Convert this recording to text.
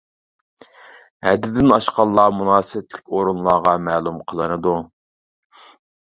ھەددىدىن ئاشقانلار مۇناسىۋەتلىك ئورۇنلارغا مەلۇم قىلىنىدۇ.